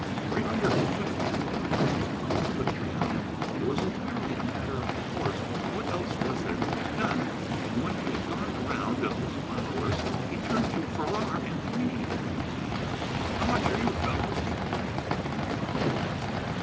"Three hundred and fifty." Mr. Cooke put it down. It was entirely a matter of course. What else was there to be done? And when he had gone the round of his followers he turned to Farrar and me. "How much are you fellows equal to?" he asked.